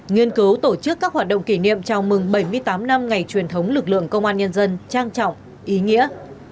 nghiên cứu tổ chức các hoạt động kỷ niệm chào mừng bảy mươi tám năm ngày truyền thống lực lượng công an nhân dân trang trọng ý nghĩa